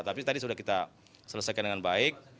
tapi tadi sudah kita selesaikan dengan baik